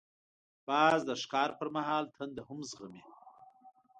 باز د ښکار پر مهال تنده هم زغمي